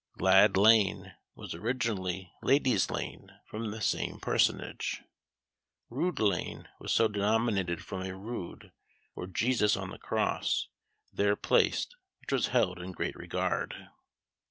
Lad lane was originally Lady's lane, from the same personage. Rood lane was so denominated from a Rood, or Jesus on the cross, there placed, which was held in great regard.